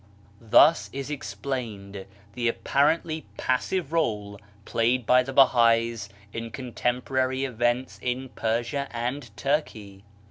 Thus is explained the apparently passive role played by the Bahais in con temporary events in Persia and Turkey.